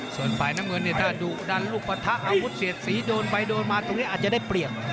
ส่วนฝ่ายน้ำเงินเนี่ยถ้าดุดันลูกปะทะอาวุธเสียดสีโดนไปโดนมาตรงนี้อาจจะได้เปรียบ